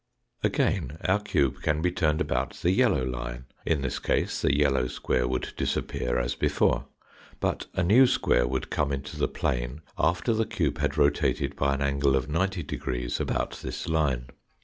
Again our cube can be turned about the yellow line. In this case the yellow square would disappear as before, but a new square would come into the plane after the cube had rotated by an angle of 90 about this line.